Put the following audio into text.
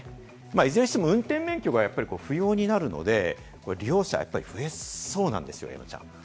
いずれにしても運転免許が不要になるので、利用者、増えそうなんですよ、山ちゃん。